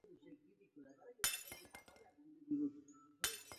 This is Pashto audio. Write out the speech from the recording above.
ګوته په غاښ پاتې شوم.